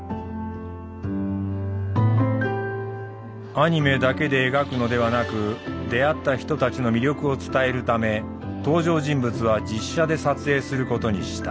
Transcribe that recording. アニメだけで描くのではなく出会った人たちの魅力を伝えるため登場人物は実写で撮影することにした。